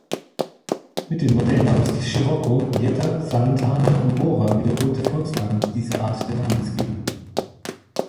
Mit den Modellnamen Scirocco, Jetta, Santana und Bora wiederholte Volkswagen diese Art der Namensgebung.